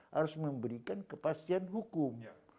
harus memberikan kepastian hukum